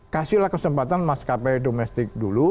kasihlah kesempatan maskapai domestik dulu